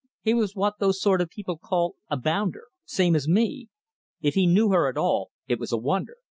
He was what those sort of people call a bounder. Same as me! If he knew her at all it was a wonder.